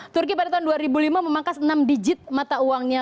turki pada tahun dua ribu lima memangkas enam digit mata uangnya